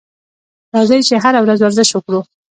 راځئ چې هره ورځ ورزش وکړو.